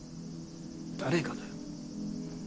誰がだよ。